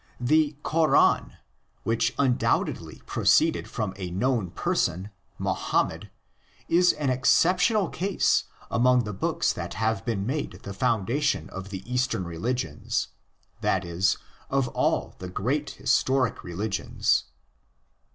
The Koran, which undoubtedly proceeded from a known person, Mohammed, is an exceptional case among the books that have been made the founda tion of Eastern religions—that is, of all the great historic religions.